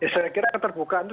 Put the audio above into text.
saya kira keterbukaan itu